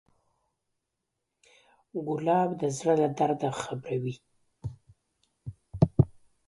ګلاب د زړه له درده خبروي.